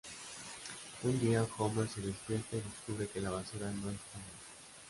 Un día Homer se despierta y descubre que la basura no está más.